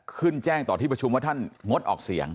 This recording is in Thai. แจ้งต่อที่ประชุมว่าท่านงดออกเสียง